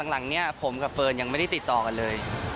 หลังเนี่ยผมกับเฟิร์นยังไม่ได้ติดต่อกันเลย